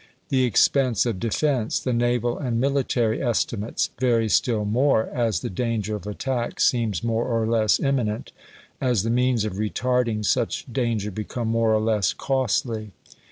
The expense of defence the naval and military estimates vary still more as the danger of attack seems more or less imminent, as the means of retarding such danger become more or less costly.